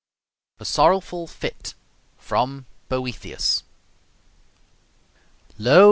A SORROWFUL FYTTE From 'Boethius' Lo!